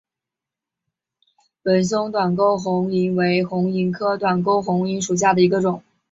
纹胸短沟红萤为红萤科短沟红萤属下的一个种。